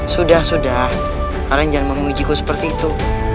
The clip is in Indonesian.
sudah sudah kalian jangan memuji ku seperti itu